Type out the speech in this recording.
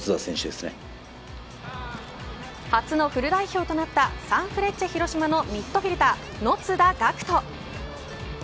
初のフル代表となったサンフレッチェ広島のミッドフィルダー野津田岳人。